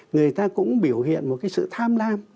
người ta cũng biểu hiện một cái sự tham lam